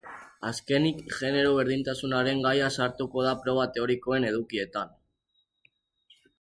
Azkenik, genero-berdintasunaren gaia sartuko da proba teorikoen edukietan.